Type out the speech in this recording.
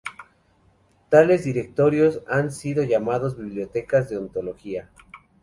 Tales directorios han sido llamados bibliotecas de ontología.